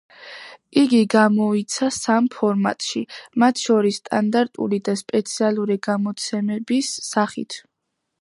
იგი გამოიცა სამ ფორმატში, მათ შორის სტანდარტული და სპეციალური გამოცემების სახით.